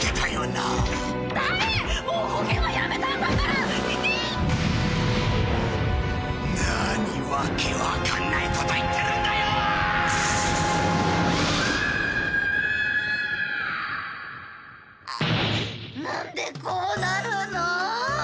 なんでこうなるの？